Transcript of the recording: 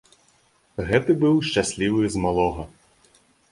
Гэты быў шчаслівы з малога.